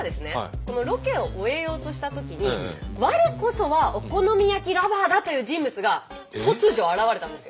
このロケを終えようとしたときに我こそはお好み焼きＬｏｖｅｒだ！という人物が突如現れたんですよ。